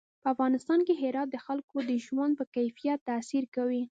په افغانستان کې هرات د خلکو د ژوند په کیفیت تاثیر کوي.